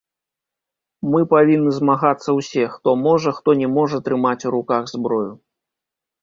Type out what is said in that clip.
Мы павінны змагацца ўсе, хто можа хто не можа трымаць у руках зброю.